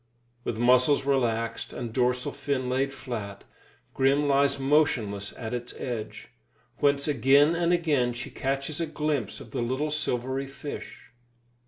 With muscles relaxed and dorsal fin laid flat, Grim lies motionless at its edge, whence again and again she catches a glimpse of the little silvery fish.